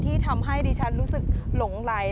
ที่ทำให้ดิฉันรู้สึกหลงไหล